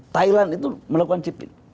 thailand itu melakukan chip in